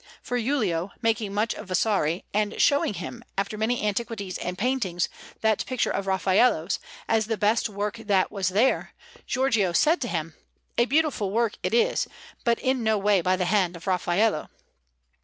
For Giulio making much of Vasari, and showing him, after many antiquities and paintings, that picture of Raffaello's, as the best work that was there, Giorgio said to him, "A beautiful work it is, but in no way by the hand of Raffaello."